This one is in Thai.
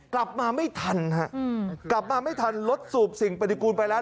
กลับมาไม่ทันฮะกลับมาไม่ทันรถสูบสิ่งปฏิกูลไปแล้ว